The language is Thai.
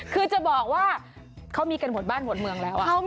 คือจะบอกว่าเขามีกันหมดบ้านหมดเมืองแล้ว